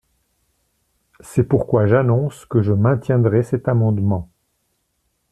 C’est pourquoi j’annonce que je maintiendrai cet amendement.